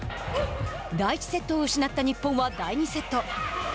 第１セットを失った日本は第２セット。